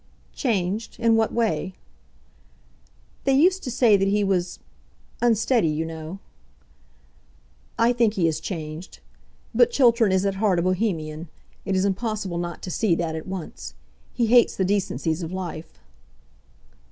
"Changed, in what way?" "They used to say that he was unsteady you know." "I think he is changed. But Chiltern is at heart a Bohemian. It is impossible not to see that at once. He hates the decencies of life."